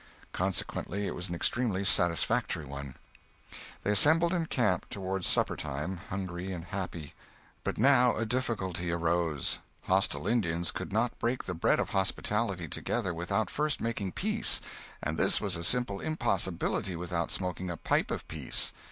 Consequently it was an extremely satisfactory one. They assembled in camp toward suppertime, hungry and happy; but now a difficulty arose—hostile Indians could not break the bread of hospitality together without first making peace, and this was a simple impossibility without smoking a pipe of peace.